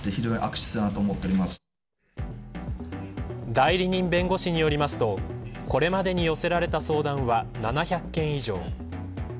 代理人弁護士によりますとこれまでに寄せられた相談は７００件以上。